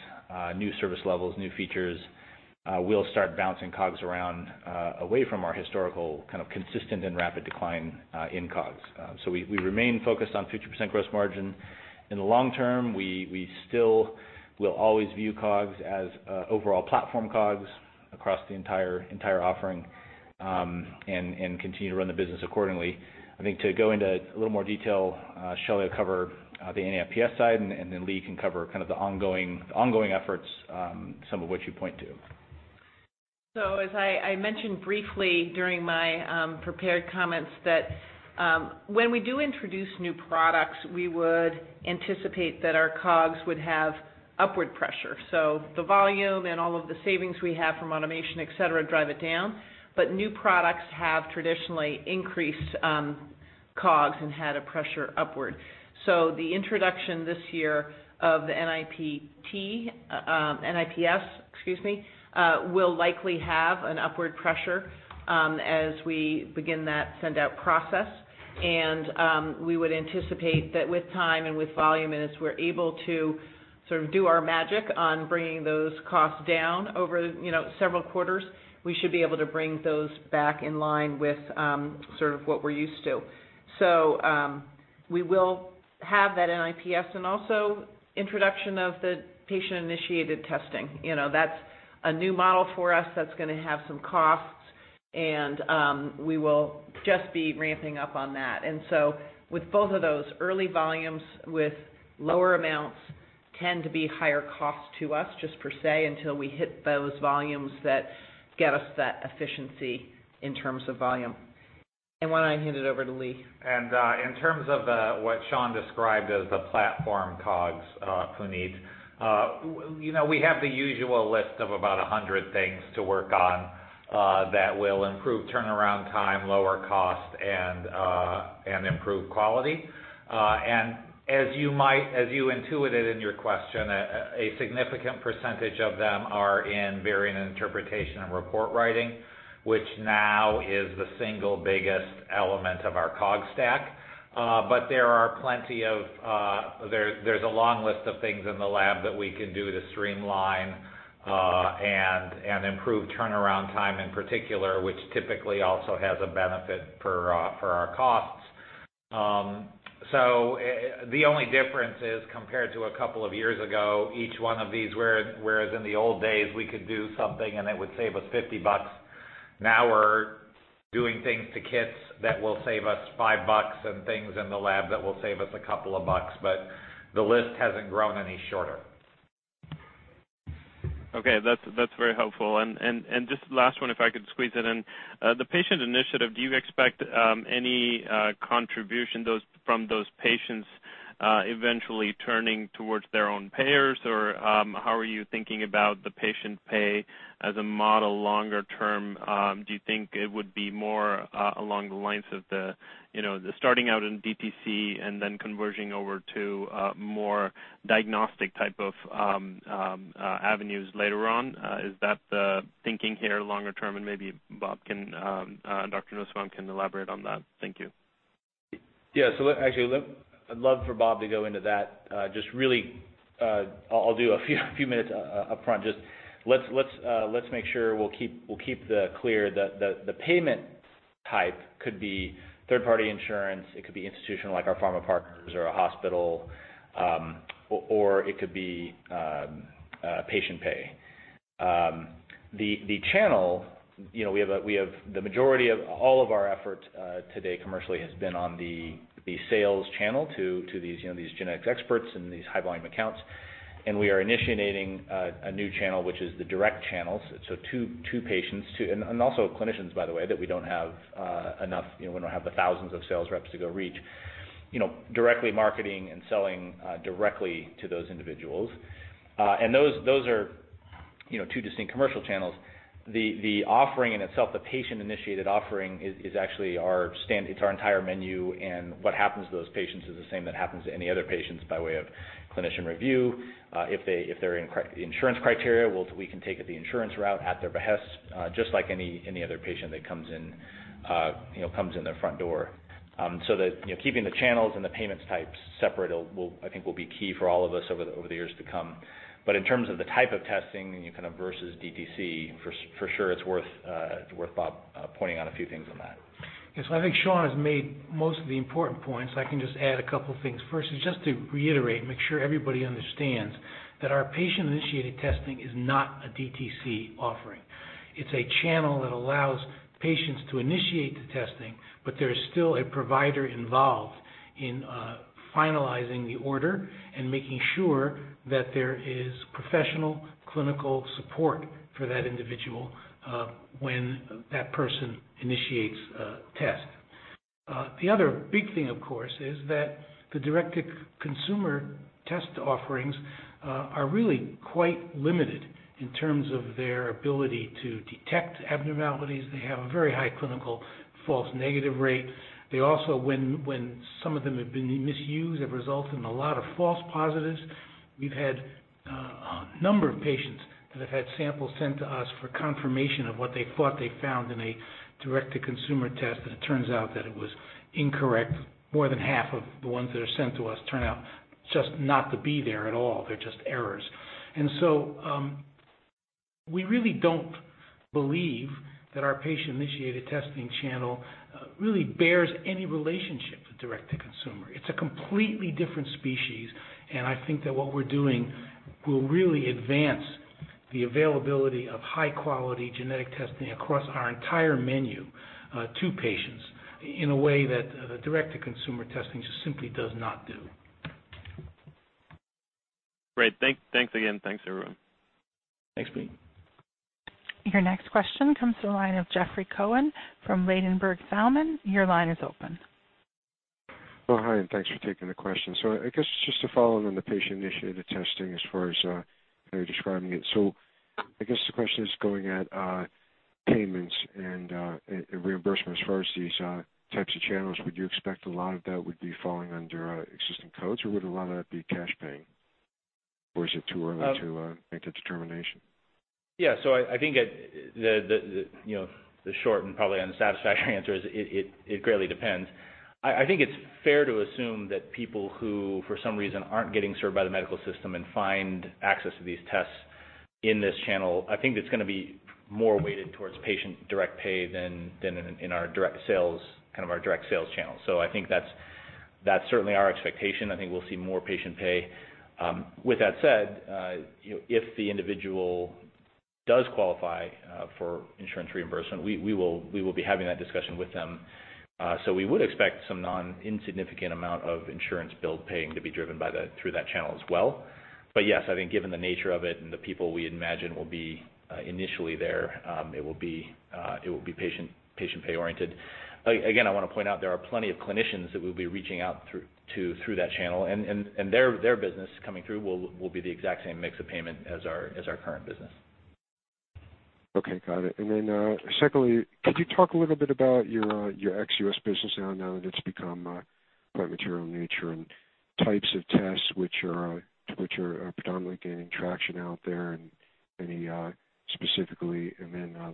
new service levels, new features, will start bouncing COGS around away from our historical kind of consistent and rapid decline in COGS. We remain focused on 50% gross margin. In the long term, we still will always view COGS as overall platform COGS across the entire offering, and continue to run the business accordingly. I think to go into a little more detail, Shelly will cover the NIPS side and then Lee can cover kind of the ongoing efforts, some of which you point to. As I mentioned briefly during my prepared comments that when we do introduce new products, we would anticipate that our COGS would have upward pressure. The volume and all of the savings we have from automation, et cetera, drive it down. New products have traditionally increased COGS and had a pressure upward. The introduction this year of the NIPT, NIPS, excuse me, will likely have an upward pressure as we begin that send-out process. We would anticipate that with time and with volume, and as we're able to sort of do our magic on bringing those costs down over several quarters, we should be able to bring those back in line with sort of what we're used to. We will have that NIPS and also introduction of the patient-initiated testing. That's a new model for us that's going to have some costs and we will just be ramping up on that. With both of those early volumes, with lower amounts tend to be higher cost to us just per se, until we hit those volumes that get us that efficiency in terms of volume. Why don't I hand it over to Lee? In terms of what Sean described as the platform COGS, Puneet, we have the usual list of about 100 things to work on that will improve turnaround time, lower cost, and improve quality. As you intuited in your question, a significant percentage of them are in variant interpretation and report writing, which now is the single biggest element of our COGS stack. There's a long list of things in the lab that we can do to streamline and improve turnaround time in particular, which typically also has a benefit for our costs. The only difference is compared to a couple of years ago, each one of these, whereas in the old days, we could do something, and it would save us $50. Now we're doing things to kits that will save us $5 and things in the lab that will save us a couple of bucks, but the list hasn't grown any shorter. Okay. That's very helpful. Just last one, if I could squeeze it in. The patient initiative, do you expect any contribution from those patients eventually turning towards their own payers, or how are you thinking about the patient pay as a model longer term? Do you think it would be more along the lines of the starting out in DTC and then converging over to more diagnostic type of avenues later on? Is that the thinking here longer term? Maybe Bob can, Dr. Nussbaum can elaborate on that. Thank you. Yeah. Actually, I'd love for Bob to go into that. Just really, I'll do a few minutes upfront. Just let's make sure we'll keep the clear. The payment type could be third-party insurance, it could be institutional like our pharma partners or a hospital, or it could be patient pay. The channel, the majority of all of our efforts today commercially has been on the sales channel to these genetics experts and these high-volume accounts. We are initiating a new channel, which is the direct channels. To patients and also clinicians, by the way, that we don't have enough. We don't have the thousands of sales reps to go reach. Directly marketing and selling directly to those individuals. Those are two distinct commercial channels. The offering in itself, the patient-initiated offering is actually our entire menu. What happens to those patients is the same that happens to any other patients by way of clinician review. If they're insurance criteria, we can take it the insurance route at their behest, just like any other patient that comes in their front door. That keeping the channels and the payments types separate I think will be key for all of us over the years to come. In terms of the type of testing kind of versus DTC, for sure it's worth Bob pointing out a few things on that. Yes. I think Sean has made most of the important points. I can just add a couple of things. First is just to reiterate, make sure everybody understands that our patient-initiated testing is not a DTC offering. It's a channel that allows patients to initiate the testing, but there is still a provider involved in finalizing the order and making sure that there is professional clinical support for that individual when that person initiates a test. The other big thing, of course, is that the direct-to-consumer test offerings are really quite limited in terms of their ability to detect abnormalities. They have a very high clinical false negative rate. They also, when some of them have been misused, have resulted in a lot of false positives. We've had a number of patients that have had samples sent to us for confirmation of what they thought they found in a direct-to-consumer test, and it turns out that it was incorrect. More than half of the ones that are sent to us turn out just not to be there at all. They're just errors. We really don't believe that our patient-initiated testing channel really bears any relationship to direct-to-consumer. It's a completely different species, and I think that what we're doing will really advance the availability of high-quality genetic testing across our entire menu to patients in a way that direct-to-consumer testing just simply does not do. Great. Thanks again. Thanks, everyone. Thanks, Pete. Your next question comes to the line of Jeffrey Cohen from Ladenburg Thalmann. Your line is open. Hi, and thanks for taking the question. I guess just to follow on the patient-initiated testing as far as how you're describing it. I guess the question is going at payments and reimbursement as far as these types of channels. Would you expect a lot of that would be falling under existing codes or would a lot of that be cash paying? Or is it too early to make that determination? I think the short and probably unsatisfactory answer is it greatly depends. I think it's fair to assume that people who, for some reason, aren't getting served by the medical system and find access to these tests in this channel, I think it's going to be more weighted towards patient direct pay than in our direct sales channel. I think that's certainly our expectation. I think we'll see more patient pay. With that said, if the individual does qualify for insurance reimbursement, we will be having that discussion with them. We would expect some non-insignificant amount of insurance bill paying to be driven through that channel as well. Yes, I think given the nature of it and the people we imagine will be initially there, it will be patient pay oriented. Again, I want to point out there are plenty of clinicians that we'll be reaching out to through that channel, and their business coming through will be the exact same mix of payment as our current business. Okay. Got it. Secondly, could you talk a little bit about your ex-U.S. business now that it's become quite material in nature and types of tests which are predominantly gaining traction out there and any specifically.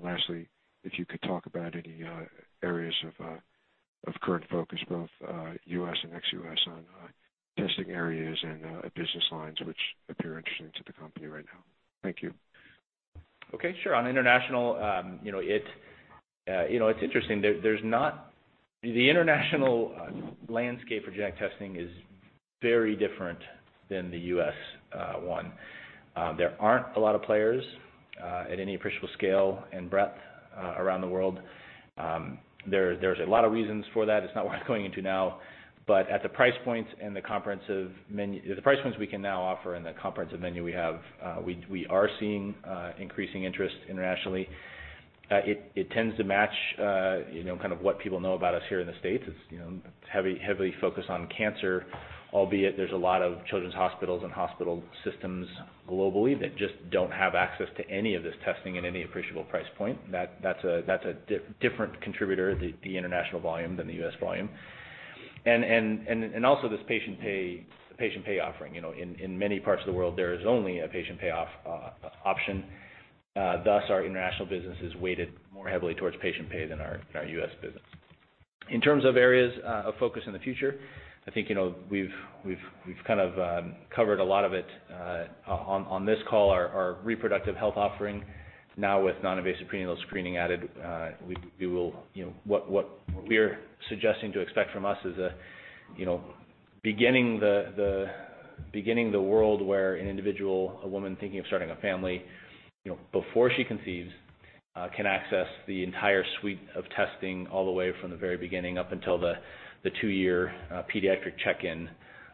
Lastly, if you could talk about any areas of current focus, both U.S. and ex-U.S., on testing areas and business lines which appear interesting to the company right now. Thank you. Okay. Sure. On international, it's interesting. The international landscape for genetic testing is very different than the U.S. one. There aren't a lot of players at any appreciable scale and breadth around the world. There's a lot of reasons for that. It's not worth going into now, but at the price points we can now offer and the comprehensive menu we have, we are seeing increasing interest internationally. It tends to match what people know about us here in the States. It's heavily focused on cancer, albeit there's a lot of children's hospitals and hospital systems globally that just don't have access to any of this testing at any appreciable price point. That's a different contributor, the international volume than the U.S. volume. Also this patient pay offering. In many parts of the world, there is only a patient pay option. Thus, our international business is weighted more heavily towards patient pay than our U.S. business. In terms of areas of focus in the future, I think we've kind of covered a lot of it on this call. Our reproductive health offering now with non-invasive prenatal screening added, what we're suggesting to expect from us is beginning the world where an individual, a woman thinking of starting a family, before she conceives, can access the entire suite of testing all the way from the very beginning up until the two-year pediatric check-in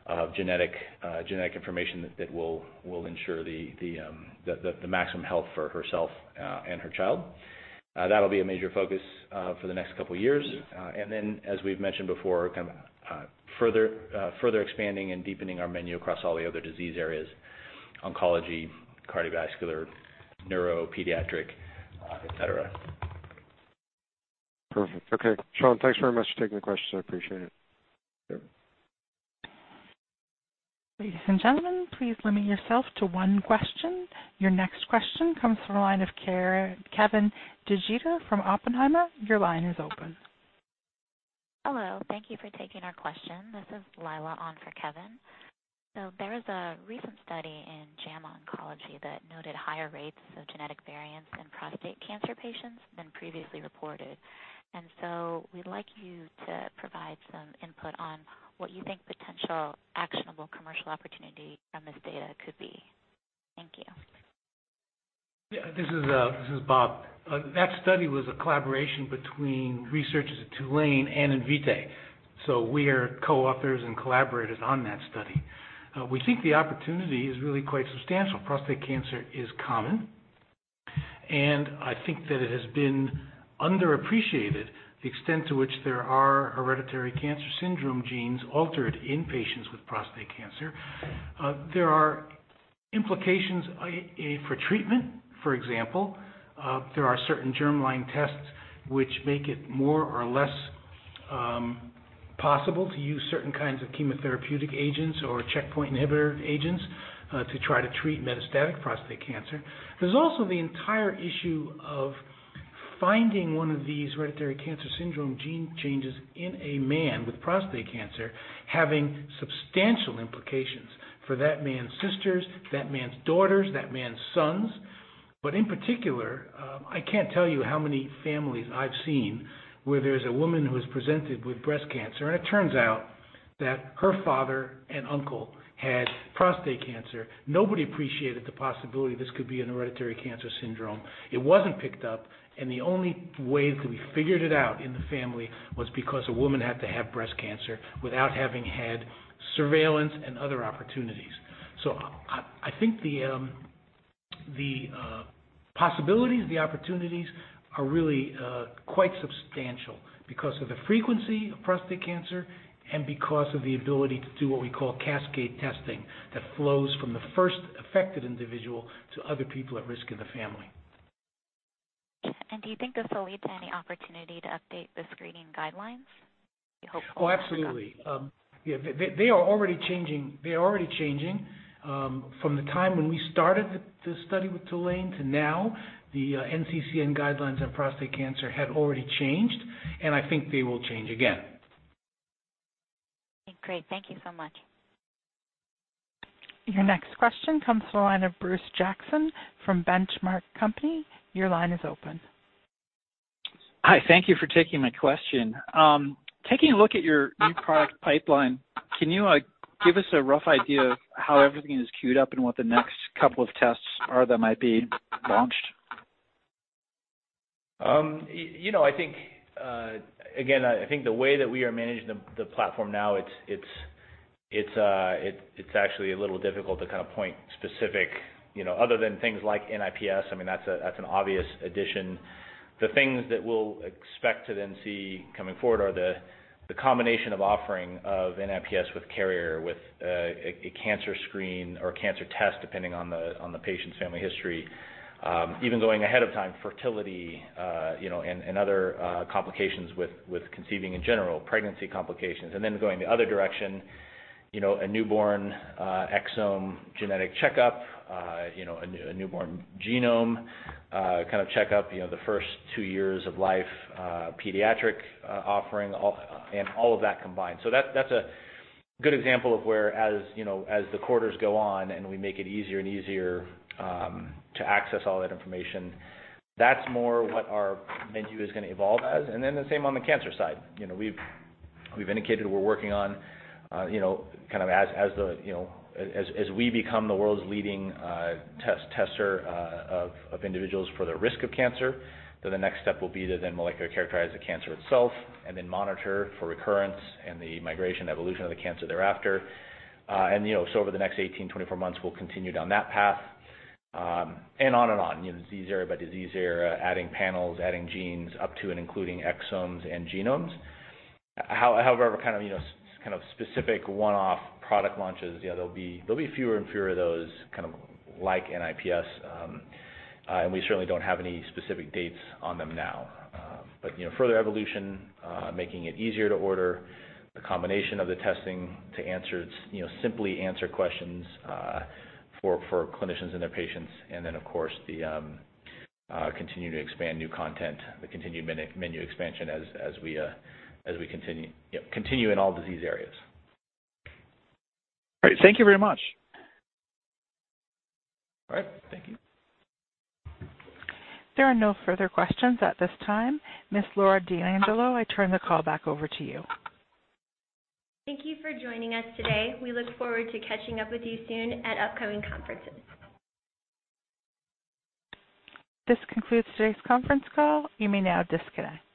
of genetic information that will ensure the maximum health for herself and her child. That'll be a major focus for the next couple of years. As we've mentioned before, further expanding and deepening our menu across all the other disease areas, oncology, cardiovascular, neuro, pediatric, et cetera. Perfect. Okay. Sean, thanks very much for taking the questions. I appreciate it. Sure. Ladies and gentlemen, please limit yourself to one question. Your next question comes from the line of Kevin DeGeeter from Oppenheimer, your line is open. Hello. Thank you for taking our question. This is Lila on for Kevin. There was a recent study in "JAMA Oncology" that noted higher rates of genetic variants in prostate cancer patients than previously reported. We'd like you to provide some input on what you think potential actionable commercial opportunity from this data could be. Thank you. Yeah, this is Bob. That study was a collaboration between researchers at Tulane and Invitae. We are co-authors and collaborators on that study. We think the opportunity is really quite substantial. Prostate cancer is common, and I think that it has been underappreciated the extent to which there are hereditary cancer syndrome genes altered in patients with prostate cancer. There are implications for treatment, for example. There are certain germline tests which make it more or less possible to use certain kinds of chemotherapeutic agents or checkpoint inhibitor agents to try to treat metastatic prostate cancer. There's also the entire issue of finding one of these hereditary cancer syndrome gene changes in a man with prostate cancer having substantial implications for that man's sisters, that man's daughters, that man's sons. In particular, I can't tell you how many families I've seen where there's a woman who has presented with breast cancer, and it turns out that her father and uncle had prostate cancer. Nobody appreciated the possibility this could be a hereditary cancer syndrome. It wasn't picked up, and the only way that we figured it out in the family was because a woman had to have breast cancer without having had surveillance and other opportunities. I think the possibilities, the opportunities are really quite substantial because of the frequency of prostate cancer and because of the ability to do what we call cascade testing that flows from the first affected individual to other people at risk in the family. Do you think this will lead to any opportunity to update the screening guidelines? Are you hopeful about that? Oh, absolutely. Yeah, they are already changing. From the time when we started the study with Tulane to now, the NCCN guidelines on prostate cancer have already changed, and I think they will change again. Great. Thank you so much. Your next question comes to the line of Bruce Jackson from The Benchmark Company. Your line is open. Hi. Thank you for taking my question. Taking a look at your new product pipeline, can you give us a rough idea of how everything is queued up and what the next couple of tests are that might be launched? I think the way that we are managing the platform now, it's actually a little difficult to point specific, other than things like NIPS. I mean, that's an obvious addition. The things that we'll expect to then see coming forward are the combination of offering of NIPS with carrier, with a cancer screen or cancer test, depending on the patient's family history. Even going ahead of time, fertility, and other complications with conceiving in general, pregnancy complications. Going the other direction, a newborn exome genetic checkup, a newborn genome kind of checkup, the first two years of life, pediatric offering, and all of that combined. That's a good example of where as the quarters go on and we make it easier and easier to access all that information, that's more what our menu is going to evolve as. The same on the cancer side. We've indicated we're working on, as we become the world's leading tester of individuals for their risk of cancer, then the next step will be to then molecular characterize the cancer itself and then monitor for recurrence and the migration, evolution of the cancer thereafter. Over the next 18-24 months, we'll continue down that path, and on and on. Disease area by disease area, adding panels, adding genes up to and including exomes and genomes. However, kind of specific one-off product launches, there'll be fewer and fewer of those, kind of like NIPS, and we certainly don't have any specific dates on them now. Further evolution, making it easier to order the combination of the testing to simply answer questions for clinicians and their patients. Of course, continue to expand new content, the continued menu expansion as we continue in all disease areas. All right. Thank you very much. All right. Thank you. There are no further questions at this time. Ms. Laura D'Angelo, I turn the call back over to you. Thank you for joining us today. We look forward to catching up with you soon at upcoming conferences. This concludes today's conference call. You may now disconnect.